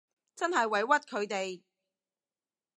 真係委屈佢哋